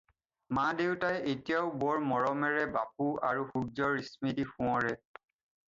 মা দেউতাই এতিয়াও বৰ মৰমেৰে বাপু আৰু সূৰ্য্যৰ স্মৃতি সোঁৱৰে।